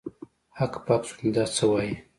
هک پک سوم چې دا څه وايي.